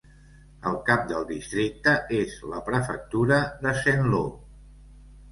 El cap del districte és la prefectura de Saint-Lô.